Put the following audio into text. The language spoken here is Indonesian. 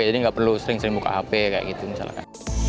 jadi nggak perlu sering sering buka hp kayak gitu misalnya